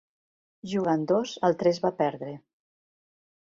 Jugant dos el tres va perdre.